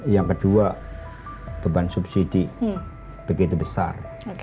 yang kedua beban subsidi begitu besar